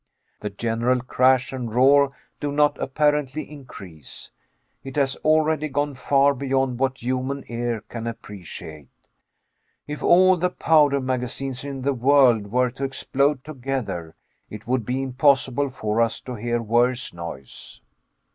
The general crash and roar do not apparently increase; it has already gone far beyond what human ear can appreciate. If all the powder magazines in the world were to explode together, it would be impossible for us to hear worse noise.